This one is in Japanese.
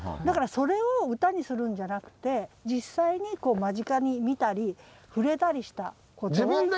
だからそれを歌にするんじゃなくて実際に間近に見たり触れたりしたことを。